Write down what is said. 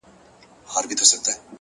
مړ مي مړوند دی _